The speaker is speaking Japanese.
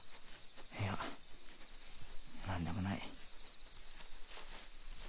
いや何でもない。